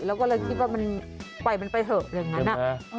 แล้วก็เลยคิดว่ามันไปมันไปเถอะเลยอย่างนั้นอ่ะ